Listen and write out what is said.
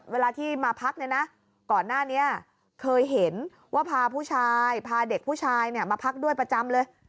เวลาที่มาพักเนี่ยนะก่อนหน้านี้เคยเห็นว่าพาผู้ชายพาเด็กผู้ชายมาพักด้วยประจำเลย